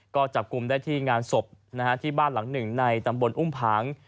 ก็จับกลุ่มได้ที่งานศพที่บ้านหลังหนึ่งในตำบลอุ้มผาง